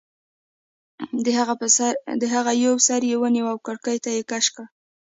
د هغې یو سر یې ونیو او کړکۍ ته یې کش کړ